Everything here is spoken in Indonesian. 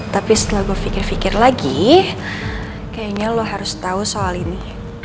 tapi setelah gue pikir pikir lagi kayaknya lo harus tahu soal ini